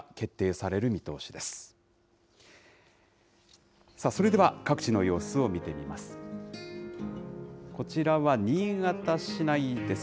さあ、それでは各地の様子を見てみます。